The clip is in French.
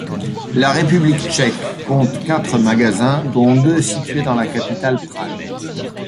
La République tchèque compte quatre magasins dont deux situés dans la capitale Prague.